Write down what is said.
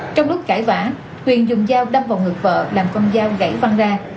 trong lúc cãi vã tuyền dùng dao đâm vào ngực vợ làm con dao gãy văn ra